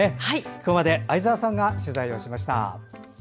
ここまで相沢さんが取材をしました。